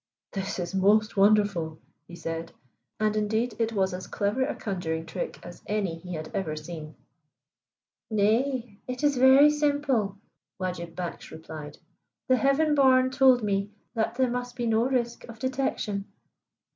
"This is most wonderful," he said. And indeed it was as clever a conjuring trick as any he had ever seen. "Nay, it is very simple," Wajib Baksh replied. "The Heaven born told me that there must be no risk of detection."